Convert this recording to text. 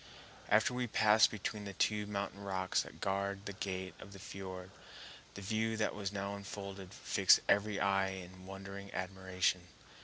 After we passed between the two mountain rocks that guard the gate of the fiord, the view that was unfolded fixed every eye in wondering admiration.